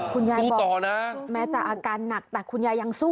คุณยายบอกต่อนะแม้จะอาการหนักแต่คุณยายยังสู้